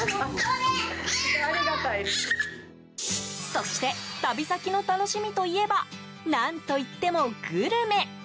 そして旅先の楽しみといえば何といってもグルメ。